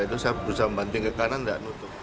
itu saya berusaha membanding ke kanan nggak nutup